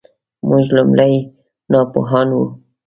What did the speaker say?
موږ لومړی ناپوهان وو .